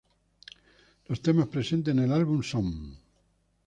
Los temas presentes en el álbum son